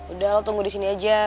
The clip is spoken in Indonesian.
udah lo tunggu disini aja